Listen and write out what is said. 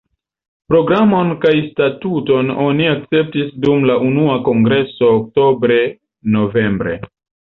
Programon kaj statuton oni akceptis dum la unua kongreso oktobre kaj novembre.